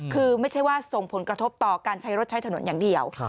คือไม่ใช่ว่าส่งผลกระทบต่อการใช้รถใช้ถนนอย่างเดียว